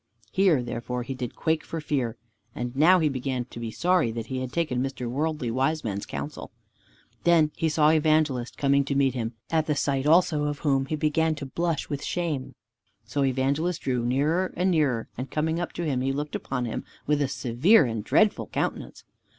Here therefore he did quake for fear. And now he began to be sorry that he had taken Mr. Worldly Wiseman's counsel. Then he saw Evangelist coming to meet him, at the sight also of whom he began to blush for shame. So Evangelist drew nearer and nearer, and coming up to him, he looked upon him with a severe and dreadful countenance.